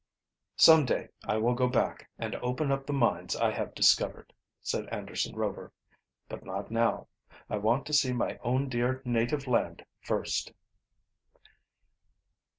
"Some day I will go back and open up the mines I have discovered," said Anderson Rover. "But not now. I want to see my own dear native land first."